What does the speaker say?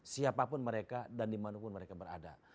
siapapun mereka dan dimanapun mereka berada